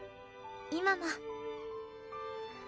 今も。